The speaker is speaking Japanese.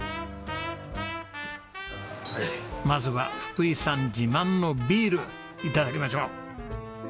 まずは福井さん自慢のビール頂きましょう。